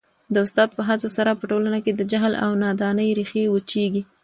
د استاد په هڅو سره په ټولنه کي د جهل او نادانۍ ریښې وچیږي.